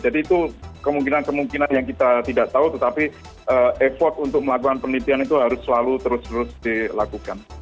jadi itu kemungkinan kemungkinan yang kita tidak tahu tetapi effort untuk melakukan penelitian itu harus selalu terus terus dilakukan